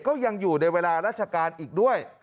ก็ยังอยู่ในเวลาราชการอีกด้วย